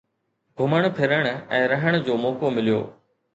گهمڻ ڦرڻ ۽ رهڻ جو موقعو مليو